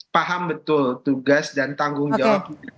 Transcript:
paham betul tugas dan tanggung jawab